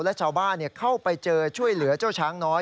และชาวบ้านเข้าไปเจอช่วยเหลือเจ้าช้างน้อย